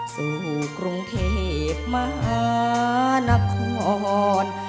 สู่กรุงเทพมหานคร